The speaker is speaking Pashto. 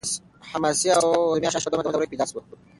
حماسي او رزمي اشعار په دویمه دوره کې پیدا شول.